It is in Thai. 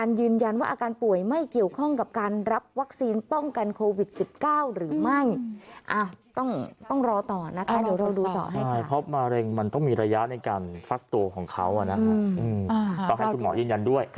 ระยะในการฟักตัวของเขาต้องให้คุณหมอยืนยันด้วย